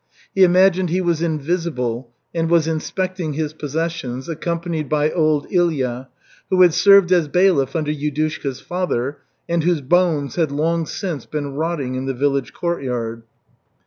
He imagined he was invisible and was inspecting his possessions, accompanied by old Ilya, who had served as bailiff under Yudushka's father, and whose bones had long since been rotting in the village churchyard.